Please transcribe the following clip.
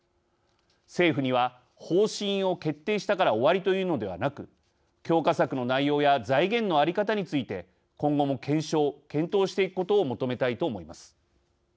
政府には、方針を決定したから終わりというのではなく強化策の内容や財源の在り方について今後も検証、検討していくことを求めたいと思います。